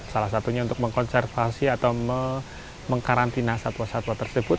salah satunya untuk mengkonservasi atau mengkarantina satwa satwa tersebut